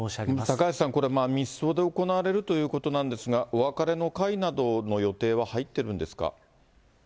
高橋さん、これ、密葬で行われるということなんですが、お別れの会などの予定は入ってるんですか？